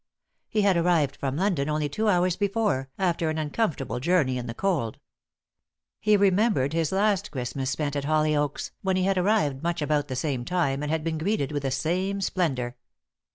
He had arrived from London only two hours before, after an uncomfortable journey in the cold. He remembered his last Christmas spent at Hollyoaks, when he had arrived much about the same time and had been greeted with the same splendour.